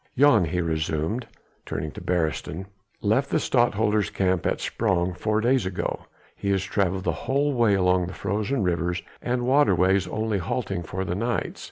"Jan," he resumed, turning to Beresteyn, "left the Stadtholder's camp at Sprang four days ago. He has travelled the whole way along the frozen rivers and waterways only halting for the nights.